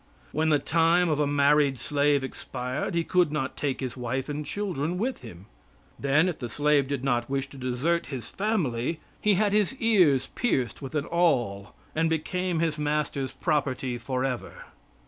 When the time of a married slave expired, he could not take his wife and children with him. Then if the slave did not wish to desert his family, he had his ears pierced with an awl, and became his master's property forever.